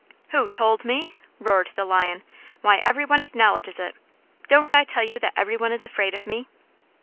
"Who told ME?" roared the Lion. "Why, everyone acknowledges it don't I tell you that everyone is afraid of me?"